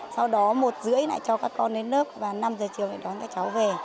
sau đó một rưỡi lại cho các con đến lớp và năm giờ chiều để đón các cháu về